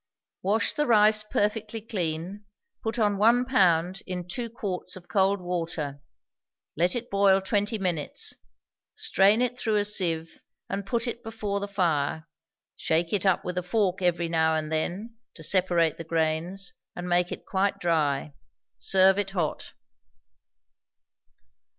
Wash the rice perfectly clean; put on one pound in two quarts of cold water; let it boil twenty minutes; strain it through a sieve, and put it before the fire; shake it up with a fork every now and then, to separate the grains, and make it quite dry. Serve it hot.